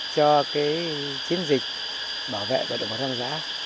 cho chiến dịch bảo vệ động vật hoang dã